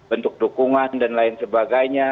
bentuk dukungan dan lain sebagainya